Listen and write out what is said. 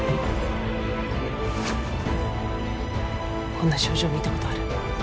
こんな症状見たことある？